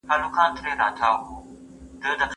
څوک غواړي پراختیایي پروژه په بشپړ ډول کنټرول کړي؟